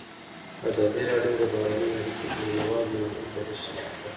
ازادي راډیو د بهرنۍ اړیکې د نړیوالو نهادونو دریځ شریک کړی.